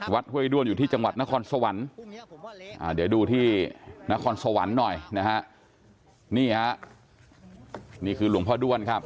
ห้วยด้วนอยู่ที่จังหวัดนครสวรรค์เดี๋ยวดูที่นครสวรรค์หน่อยนะฮะนี่ฮะนี่คือหลวงพ่อด้วนครับ